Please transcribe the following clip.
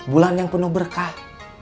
bulan yang penuh berkah